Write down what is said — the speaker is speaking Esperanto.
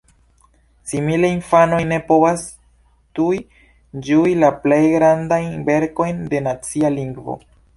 Simile, infanoj ne povas tuj ĝui la plej grandajn verkojn de nacia lingvo!